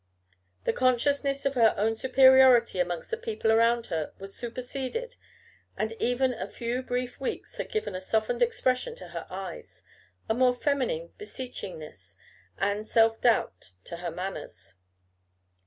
The consciousness of her own superiority amongst the people around her was superseded, and even a few brief weeks had given a softened expression to her eyes, a more feminine beseechingness and self doubt to her manners.